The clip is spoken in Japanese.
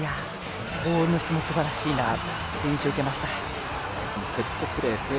ボールの質もすばらしいなという印象を受けました。